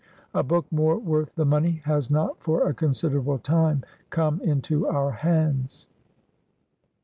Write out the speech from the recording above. A book more worth the money has not. for a considerable time, come into our hands.